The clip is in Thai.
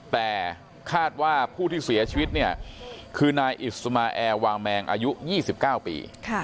แต่คาดว่าผู้ที่เสียชีวิตเนี่ยคือนายอิสมาแอร์วางแมงอายุ๒๙ปี